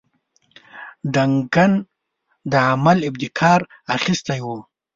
ډنکن د عمل ابتکار اخیستی وو.